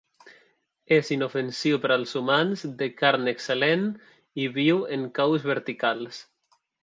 És inofensiu per als humans, de carn excel·lent, i viu en caus verticals.